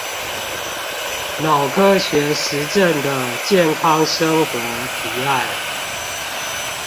腦科學實證的健康生活提案